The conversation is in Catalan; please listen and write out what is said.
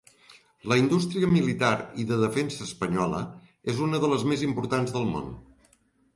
La indústria militar i de defensa espanyola és una de les més importants del món.